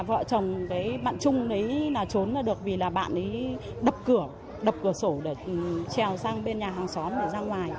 vợ chồng bạn trung trốn là được vì là bạn ấy đập cửa đập cửa sổ để trèo sang bên nhà hàng xóm để ra ngoài